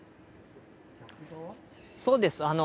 そうです。